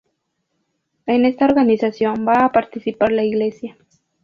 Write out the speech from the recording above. En esta organización va a participar la Iglesia.